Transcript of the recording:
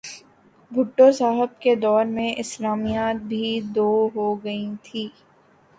بھٹو صاحب کے دور میں اسلامیات بھی دو ہو گئی تھیں۔